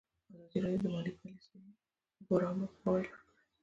ازادي راډیو د مالي پالیسي لپاره عامه پوهاوي لوړ کړی.